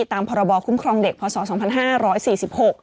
ตามภคุ้มครองเด็กพศ๒๕๔๖